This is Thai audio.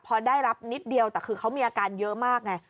พอได้รับนิดเดียวแต่คือเขามีอาการเยอะมากไง